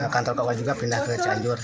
kantor kua juga pindah ke cianjur